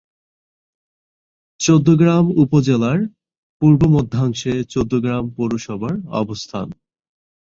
চৌদ্দগ্রাম উপজেলার পূর্ব-মধ্যাংশে চৌদ্দগ্রাম পৌরসভার অবস্থান।